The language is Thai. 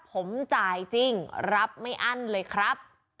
ผมจ่ายจริงรับไม่อั้นเลยครับ